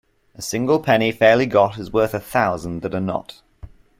A single penny fairly got is worth a thousand that are not.